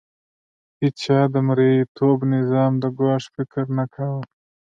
هیڅ چا د مرئیتوب نظام د ګواښ فکر نه کاوه.